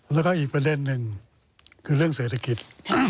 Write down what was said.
แล้วก็อีกประเด็นหนึ่งคือเรื่องเศรษฐกิจ